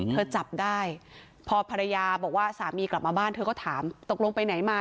จับได้พอภรรยาบอกว่าสามีกลับมาบ้านเธอก็ถามตกลงไปไหนมา